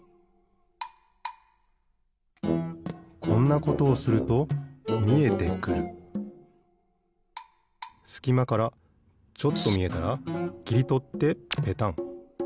こんなことをするとみえてくるすきまからちょっとみえたらきりとってペタン。